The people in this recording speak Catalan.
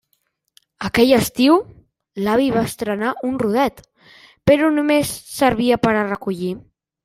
Aquell estiu l'avi va estrenar un rodet, però només servia per a recollir.